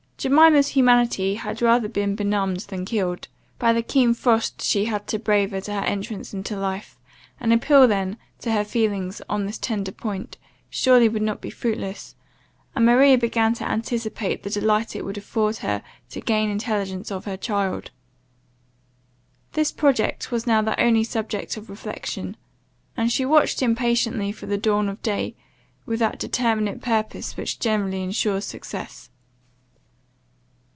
Jemima's humanity had rather been benumbed than killed, by the keen frost she had to brave at her entrance into life; an appeal then to her feelings, on this tender point, surely would not be fruitless; and Maria began to anticipate the delight it would afford her to gain intelligence of her child. This project was now the only subject of reflection; and she watched impatiently for the dawn of day, with that determinate purpose which generally insures success.